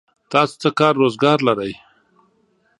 تاسو څه کار روزګار لرئ؟